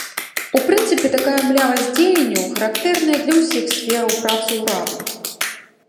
У прынцыпе, такая млявасць дзеянняў характэрная для ўсіх сфераў працы ўраду.